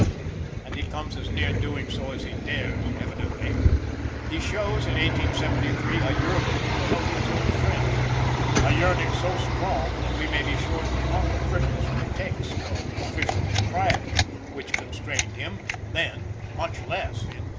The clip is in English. And he comes as near doing so as he dares, evidently. He shows, in 1873, a yearning to help his old friend a yearning so strong that we may be sure it was not the frivolous pretext of "official propriety" which constrained him, then, much less in 1883.